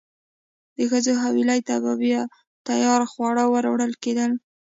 د ښځو حویلۍ ته به تیار خواړه وروړل کېدل.